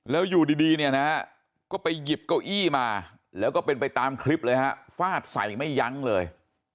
แล้วอยู่ดีเนี่ยนะฮะก็ไปหยิบเก้าอี้มาแล้วก็เป็นไปตามคลิปเลยฮะฟาดใส่ไม่ยั้งเลย